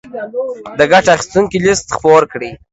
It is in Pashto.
د ګټه اخيستونکو ليست خپور کړي.